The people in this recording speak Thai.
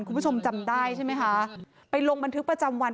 คุณผู้ชมจำได้ใช่ไหมคะไปลงบันทึกประจำวัน